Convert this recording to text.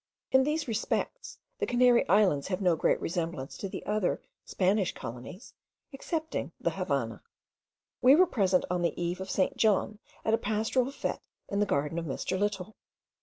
In these respects the Canary Islands have no great resemblance to the other Spanish colonies, excepting the Havannah. We were present on the eve of St. John at a pastoral fete in the garden of Mr. Little.